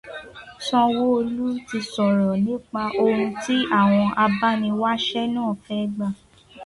Sanwóolú ti sọ̀rọ̀ nípa ohun tí àwọn abániwáṣẹ́ náà fẹ́ gbà.